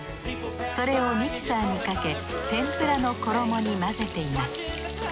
それをミキサーにかけ天ぷらの衣に混ぜています。